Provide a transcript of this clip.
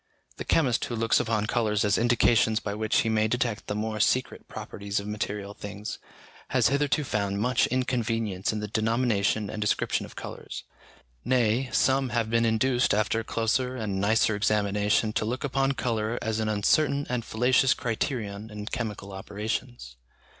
The chemist who looks upon colours as indications by which he may detect the more secret properties of material things, has hitherto found much inconvenience in the denomination and description of colours; nay, some have been induced after closer and nicer examination to look upon colour as an uncertain and fallacious criterion in chemical operations.